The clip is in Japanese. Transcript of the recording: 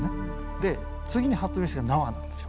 で次に発明したのが縄なんですよ。